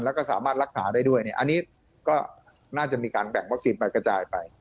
แล้วก็สามารถรักษาได้ด้วยเนี่ยอันนี้ก็น่าจะมีการแบ่งวัคซีนไปกระจายไป